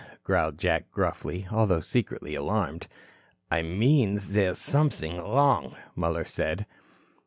growled Jack gruffly, although secretly alarmed. "I mean there's something wrong," Muller said.